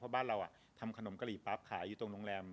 บ้านเราทำขนมกะหรี่ปั๊บขายอยู่ตรงโรงแรม